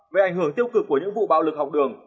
về ảnh hưởng tiêu cực của những vụ bạo lực học đường